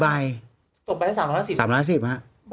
บ้าไปแล้ว